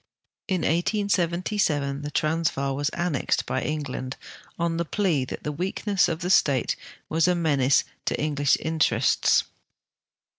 In 1877 the Transvaal was annexed by England on the ])lea that the weakness of the state was a menace to English in terests.